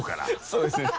そうですね。